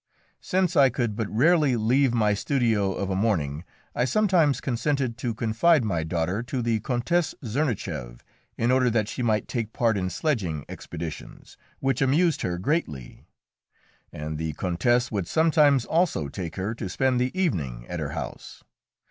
Since I could but very rarely leave my studio of a morning, I sometimes consented to confide my daughter to the Countess Czernicheff, in order that she might take part in sledging expeditions, which amused her greatly, and the Countess would sometimes also take her to spend the evening at her house.